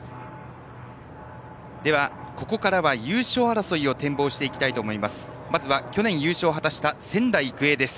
では、ここからは優勝争いを展望していきたいと思います。